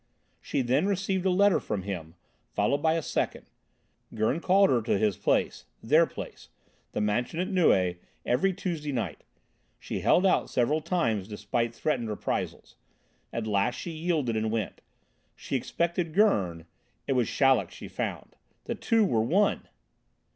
She then received a letter from him, followed by a second. Gurn called her to his place their place the mansion at Neuilly, every Tuesday night. She held out several times despite threatened reprisals. At last she yielded and went: she expected Gurn it was Chaleck she found. The two were one!